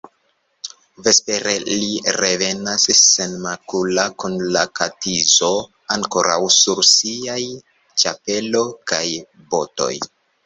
Vespere li revenas senmakula kun la katizo ankoraŭ sur siaj ĉapelo kaj botoj.